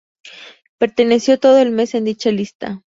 Perteneció todo el mes en dicha lista.